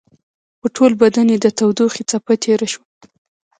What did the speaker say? په ټول بدن يې د تودوخې څپه تېره شوه.